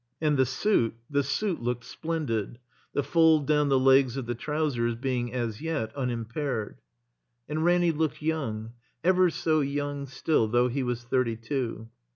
And the suit, the suit looked splendid, the fold down the legs of the trousers being as yet unimpaired. And Ranny looked young, ever so young still, though he was thirty two.